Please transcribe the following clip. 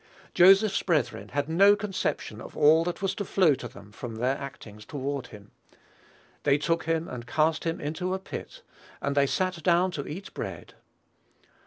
Joseph's brethren had no conception of all that was to flow to them from their actings toward him. "They took him and cast him into a pit ... and they sat down to eat bread."